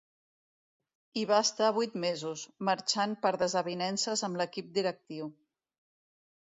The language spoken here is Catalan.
Hi va estar vuit mesos, marxant per desavinences amb l'equip directiu.